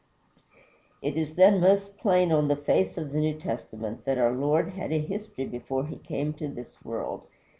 It is then most plain on the face of the New Testament that our Lord had a history before he came to this world.